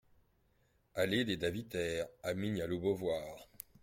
Allée des Davitaires à Mignaloux-Beauvoir